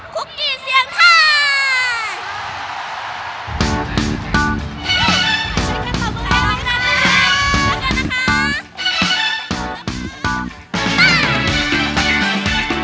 คุกกี้เซียงไทย